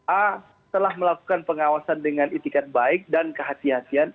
a telah melakukan pengawasan dengan itikat baik dan kehatian